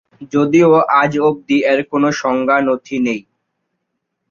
যদিও আজ অব্দি এর কোনো সংজ্ঞা নথি নেই।